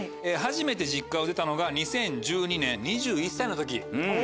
初めて実家を出たのが２０１２年２１歳の時。